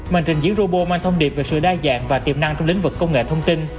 màn trình diễn robot mang thông điệp về sự đa dạng và tiềm năng trong lĩnh vực công nghệ thông tin